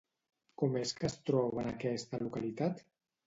Com és que es troba en aquesta localitat?